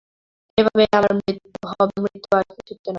এভাবেই আমার হবে মৃত্যু, আর কিছুতে নয়।